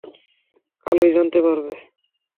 কালই জানতে পারবে।